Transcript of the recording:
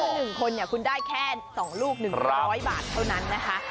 เพราะว่า๑คนคุณได้แค่๒ลูก๑๐๐บาทเท่านั้นนะคะ